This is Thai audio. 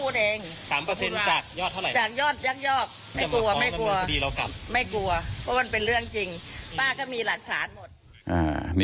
ป้าก็มีหลักฐานหมด